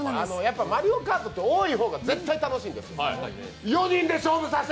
「マリオカート」って多い方が絶対楽しいんです。